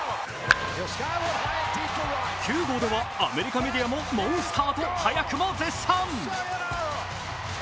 ９号ではアメリカメディアではモンスターと早くも絶賛。